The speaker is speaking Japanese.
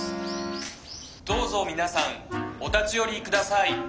どうぞ皆さんお立ち寄り下さい」。